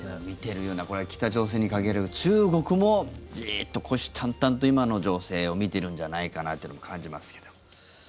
見ているのはこれは北朝鮮に限らず中国も、じっと虎視眈々と今の情勢を見ているんじゃないかなというのも感じますけども。